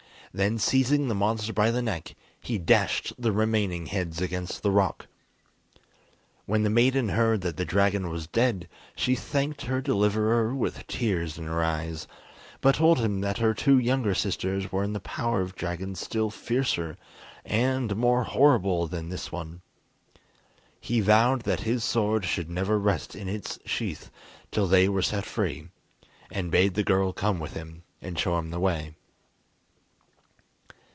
Then, seizing the monster by the neck, he dashed the remaining heads against the rock. When the maiden heard that the dragon was dead, she thanked her deliverer with tears in her eyes, but told him that her two younger sisters were in the power of dragons still fiercer and more horrible than this one. He vowed that his sword should never rest in its sheath till they were set free, and bade the girl come with him, and show him the way.